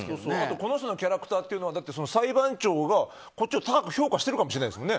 この人のキャラクターっていうのは裁判長がこっちを高く評価しているかもしれませんよね。